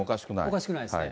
おかしくないです。